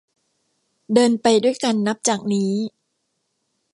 เดินไปด้วยกันนับจากนี้